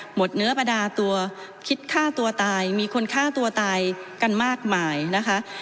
เนื้อประดาตัวคิดฆ่าตัวตายมีคนฆ่าตัวตายกันมากมายนะคะ